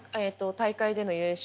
大会での優勝。